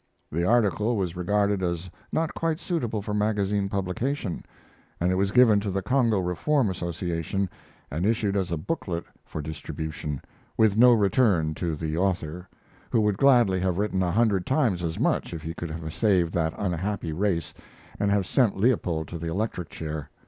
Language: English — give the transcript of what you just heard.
The article was regarded as not quite suitable for magazine publication, and it was given to the Congo Reform Association and issued as a booklet for distribution, with no return to the author, who would gladly have written a hundred times as much if he could have saved that unhappy race and have sent Leopold to the electric chair.